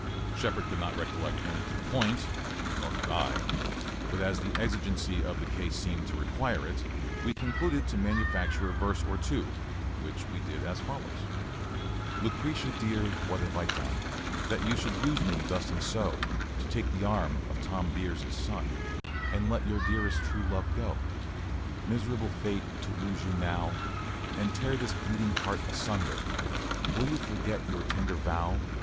Shepard could not recollect any to the point, nor could I, but as the exigency of the case seemed to require it, we concluded to manufacture a verse or two, which we did as follows:] Lucretia, dear, what have I done, That you should use me thus and so, To take the arm of Tom Beers' son, And let your dearest true love go? Miserable fate, to lose you now, And tear this bleeding heart asunder! Will you forget your tender vow?